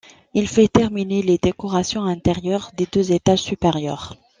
Il fait terminer les décorations intérieures des deux étages supérieurs.